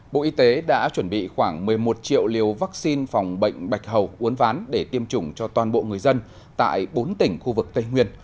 bộ y tế đã chuẩn bị khoảng một mươi một triệu liều vaccine phòng bệnh bạch hầu uốn ván để tiêm chủng cho toàn bộ người dân tại bốn tỉnh khu vực tây nguyên